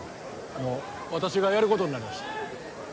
あの私がやることになりました